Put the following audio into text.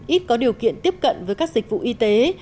ít có điều kiện tiếp cận với các dịch vụ y tế